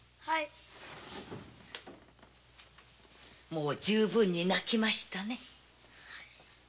もう十分に泣きましたね。